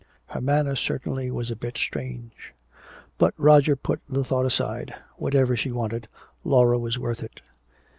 Her manner certainly was a bit strange. But Roger put the thought aside. Whatever she wanted, Laura was worth it.